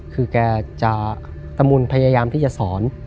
คือแกจะตะมุนพยายามที่จะสอน